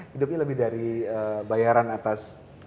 hidupnya lebih dari bayaran atas